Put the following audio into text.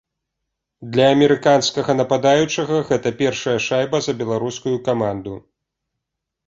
Для амерыканскага нападаючага гэта першая шайба за беларускую каманду.